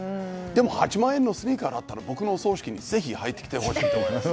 でも８万円のスニーカーだったら僕のお葬式にぜひ履いてきてほしいと思います。